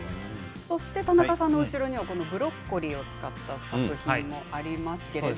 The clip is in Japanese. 田中さんの後ろにはブロッコリーを使った作品もあります。